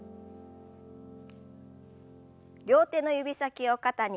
両手の指先を肩に。